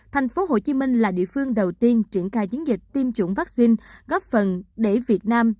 tp hcm là địa phương đầu tiên triển khai chiến dịch tiêm chủng vaccine góp phần để việt nam